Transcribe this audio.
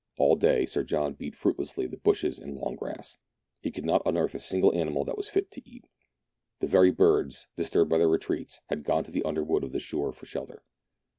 All day Sir John beat fruitlessly the bushes and long grass. He could not unearth a single animal that was fit to eat. The very birds, disturbed from their retreats, had gone to the underwood on the shore for shelter.